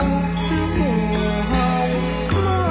ทรงเป็นน้ำของเรา